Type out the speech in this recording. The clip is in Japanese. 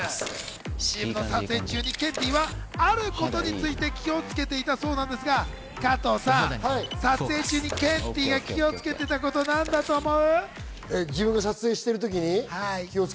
ＣＭの撮影中にケンティーはあることについて気をつけていたそうなんですが加藤さん、撮影中にケンティーが気を付けてたことはなんだと思う？